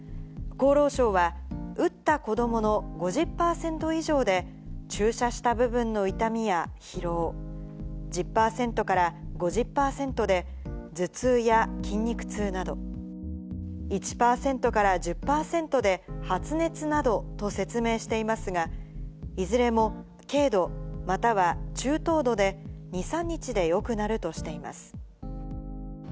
厚労省は、打った子どもの５０％以上で、注射した部分の痛みや疲労、１０％から５０％で頭痛や筋肉痛など、１％から１０％で発熱などと説明していますが、いずれも軽度、または中等度で、２、３日でよくなるとしています。